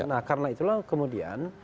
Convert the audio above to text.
nah karena itulah kemudian